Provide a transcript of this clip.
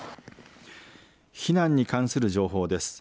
避難に関する情報です。